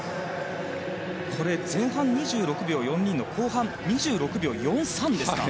前半２６秒４２の後半２６秒４３ですか。